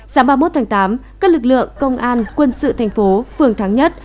sáng ba mươi một tháng tám các lực lượng công an quân sự thành phố phường thắng nhất